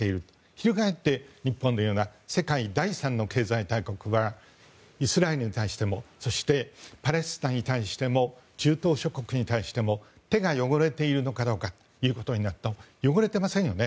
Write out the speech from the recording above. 翻って、日本のような世界第３の経済大国はイスラエルに対してもそして、パレスチナに対しても中東諸国に対しても手が汚れているのかどうかということになると汚れてませんよね。